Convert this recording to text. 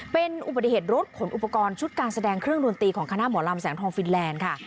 เป็นอุบัติเหตุรถขนอุปกรณ์ชุดการแสดงเครื่องดนตรีของคณะหมอลำแสงทองฟินแลนด์ค่ะ